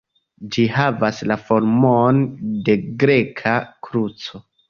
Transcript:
Ĝi havas la formon de Greka kruco.